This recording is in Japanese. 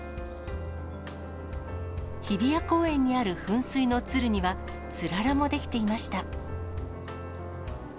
日比谷公園にある噴水の鶴には、つららも出来ていました。